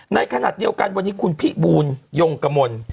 ในขณะเดียวกันวันนี้คุณพิบูลยงกมล